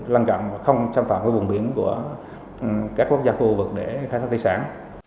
lăn gặm và không trăm phạm với vùng biển của các quốc gia khu vực để khai thác thị sản